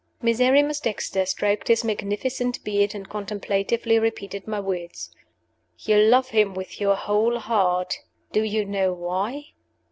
Miserrimus Dexter stroked his magnificent beard, and contemplatively repeated my words. "You love him with your whole heart? Do you know why?"